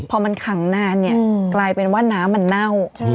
พอมันขังนานเนี่ยกลายเป็นว่าน้ำมันเน่า